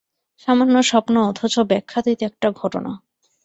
সামান্য স্বপ্ন, অথচ ব্যাখ্যাতীত একটা ঘটনা।